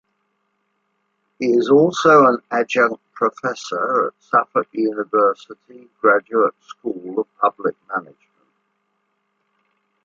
He is also an Adjunct Professor at Suffolk University, Graduate School of Public Management.